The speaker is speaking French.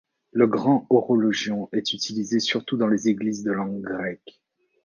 Le Grand Horologion est utilisé surtout dans les églises de langue grecque.